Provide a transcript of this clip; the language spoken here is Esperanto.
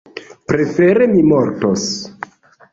Prefere mi mortos!